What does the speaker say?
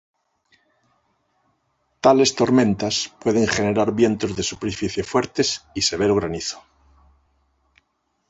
Tales tormentas pueden generar vientos de superficie fuertes y severo granizo.